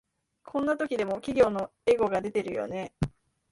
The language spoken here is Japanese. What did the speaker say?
こんな時でも企業のエゴが出てるよね